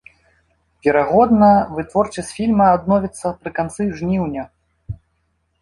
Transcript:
Верагодна, вытворчасць фільма адновіцца пры канцы жніўня.